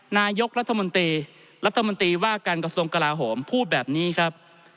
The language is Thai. นายกรัฐมนตรีรัฐมนตรีว่าการกระทรวงกลาโหมพูดแบบนี้ครับ